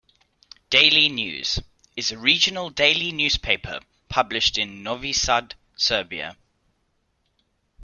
"Daily news", is a regional daily newspaper, published in Novi Sad, Serbia.